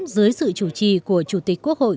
dưới sự chủ trì của chủ tịch quốc hội